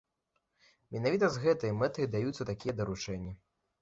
Менавіта з гэтай мэтай даюцца такія даручэнні.